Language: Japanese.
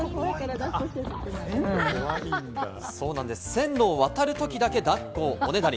線路を渡るときだけ抱っこをおねだり。